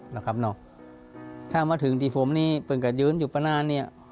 ถ้าถามว่าถึงที่ผมนี่ไอลุงพรุ่งจะอยู่ประมาณนี้